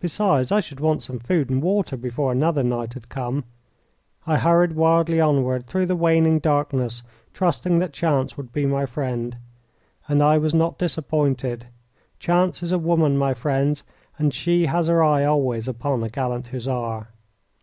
Besides, I should want some food and water before another night had come. I hurried wildly onward through the waning darkness, trusting that chance would be my friend. And I was not disappointed. Chance is a woman, my friends, and she has her eye always upon a gallant Hussar.